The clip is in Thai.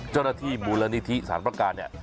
เจ้าหน้าที่มูลนิธิสารประการเนี่ย